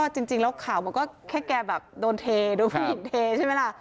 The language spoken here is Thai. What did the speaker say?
จริงข่าวหมดก็แค่แค่แบบโดนเทโดนผลิตเทใช่ไหมล่ะ